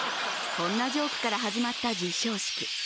こんなジョークから始まった授賞式。